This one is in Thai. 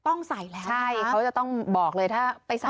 โดนโรงคนไทยใส่หน้ากากอนามัยป้องกันโควิด๑๙กันอีกแล้วค่ะ